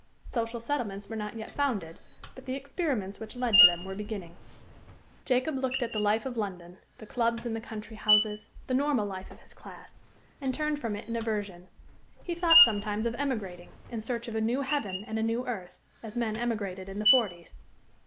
Social settlements were not yet founded, but the experiments which led to them were beginning. Jacob looked at the life of London, the clubs and the country houses, the normal life of his class, and turned from it in aversion. He thought, sometimes, of emigrating, in search of a new heaven and a new earth, as men emigrated in the forties.